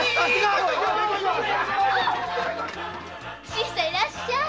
新さんいらっしゃい！